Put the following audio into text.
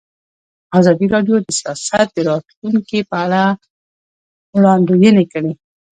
ازادي راډیو د سیاست د راتلونکې په اړه وړاندوینې کړې.